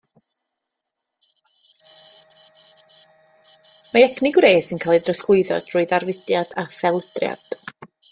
Mae egni gwres yn cael ei drosglwyddo drwy ddarfudiad a phelydriad.